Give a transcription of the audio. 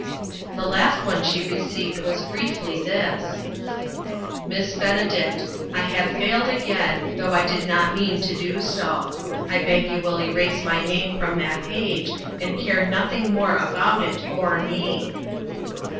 The last one she received was briefly this :" Miss Benedict : I have failed again, though I did not mean to do so. I beg you will erase my name from that page, and care nothing more about it or me."